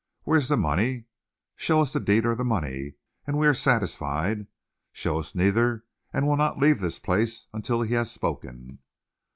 Where's the money? Show us the deed or the money, and we are satisfied. Show us neither, and we'll not leave this place until he has spoken."